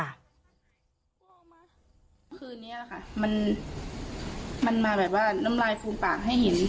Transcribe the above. เมื่อคืนนี้ค่ะมันมาแบบว่าน้ำลายฟูมปากให้เห็น